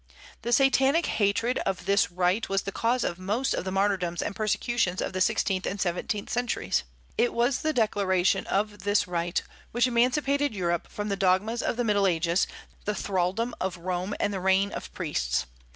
The Satanic hatred of this right was the cause of most of the martyrdoms and persecutions of the sixteenth and seventeenth centuries. It was the declaration of this right which emancipated Europe from the dogmas of the Middle Ages, the thraldom of Rome, and the reign of priests.